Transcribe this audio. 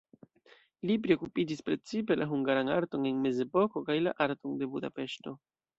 Li priokupiĝis precipe la hungaran arton en mezepoko kaj la arton de Budapeŝto.